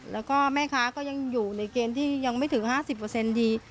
แล้วก็แม่ค้าก็ยังอยู่ในเกณฑ์ที่ยังไม่ถึง๕๐ดี